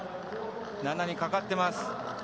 菜那にかかっています。